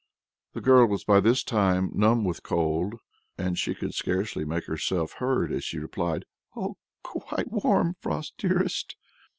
The girl was by this time numb with cold, and she could scarcely make herself heard as she replied: "Oh! quite warm, Frost dearest!"